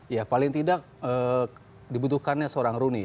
ya paling tidak dibutuhkannya seorang rooney